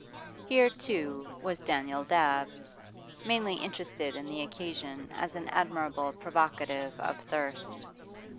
Here, too, was Daniel Dabbs, mainly interested in the occasion as an admirable provocative of thirst.